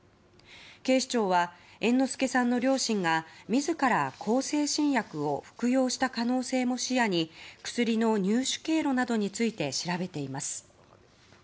警視庁は猿之助さんの両親が自ら向精神薬を服用した可能性も視野に薬の入手経路などについて調べています。